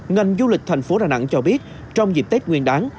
ngành du lịch thành phố đà nẵng cho biết trong dịp tết nguyên đáng